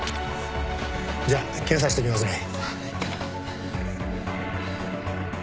じゃ検査していきますね。